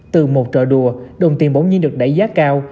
từ một trợ đùa đồng tiền bỗng nhiên được đẩy giá cao